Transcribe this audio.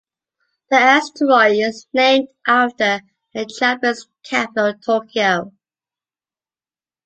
The asteroid is named after the Japanese capital Tokyo.